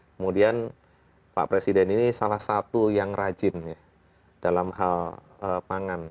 kemudian pak presiden ini salah satu yang rajin ya dalam hal pangan